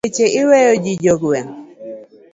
Weche iweyo ji jogweng'.